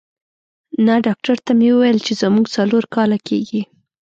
نه، ډاکټر ته مې وویل چې زموږ څلور کاله کېږي.